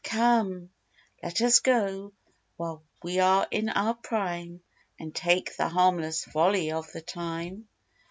Come, let us go, while we are in our prime; And take the harmless folly of the time!